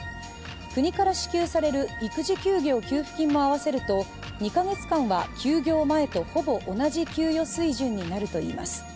国から支給される育児休業給付金も合わせると２か月間は休業前とほぼ同じ給与水準になるといいます。